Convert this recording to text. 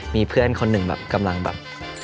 มีเพียงคำถาม